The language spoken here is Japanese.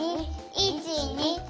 １２！